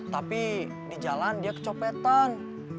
tapi di jalan dia kecopetan